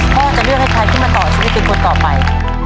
พ่อจะเลือกให้ใครขึ้นมาต่อชีวิตเป็นคนต่อไป